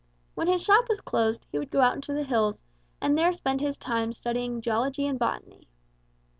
When his shop was closed he would go out on the hills, and there spend his time studying geology and botany.